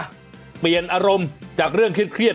เปลี่ยนอารมณ์จากเรื่องเครียด